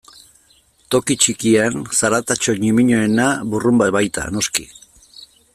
Toki txikian, zaratatxo ñimiñoena burrunba baita, noski.